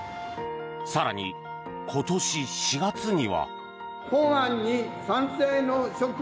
更に、今年４月には。